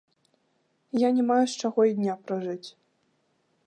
Я не маю з чаго і дня пражыць.